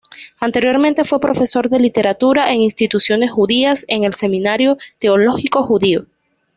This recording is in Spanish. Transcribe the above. Anteriormente fue profesor de Literatura en instituciones judías en el Seminario Teológico Judío.